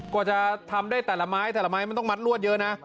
กว่าจะทำได้แต่ละไม้แต่ละไม้มันต้องมัดลวดเยอะนะ